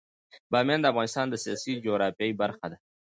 بامیان د افغانستان د سیاسي جغرافیه برخه ده.